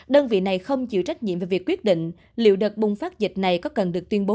đơn vị này không chịu trách nhiệm về việc quyết định liệu đợt bùng phát dịch này có cần được tuyên bố